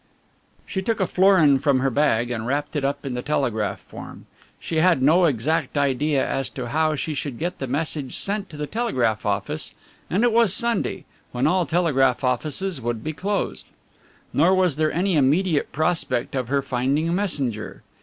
She took a florin from her bag and wrapped it up in the telegraph form. She had no exact idea as to how she should get the message sent to the telegraph office, and it was Sunday, when all telegraph offices would be closed. Nor was there any immediate prospect of her finding a messenger.